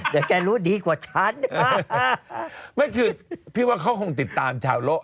แต่แกรู้ดีกว่าฉันไม่คือพี่ว่าเขาคงติดตามชาวโลก